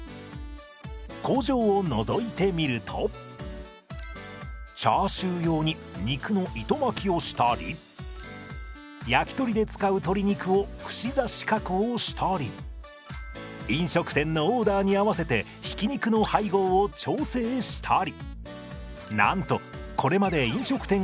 工場をのぞいてみるとチャーシュー用に肉の糸巻きをしたり焼き鳥で使う鶏肉を串刺し加工したり飲食店のオーダーに合わせてひき肉の配合を調整したり。